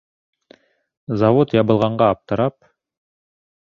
Завод ябылғанға аптырап...